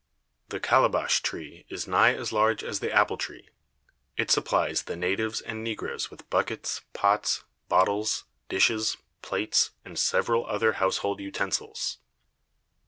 The Calebash Tree is nigh as large as the Apple Tree; it supplies the Natives and Negroes with Buckets, Pots, Bottles, Dishes, Plates, and several other Houshold Utensils.